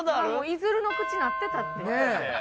今もういづるの口になってたって。